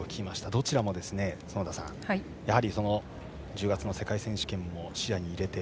どちらも、園田さんやはり、１０月の世界選手権も視野に入れて。